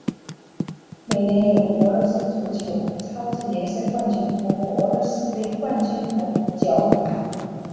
每年由俄罗斯足球超级联赛冠军和俄罗斯杯冠军角逐。